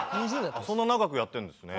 あっそんな長くやってるんですね。